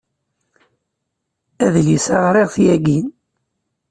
Adlis-a ɣriɣ-t yagi.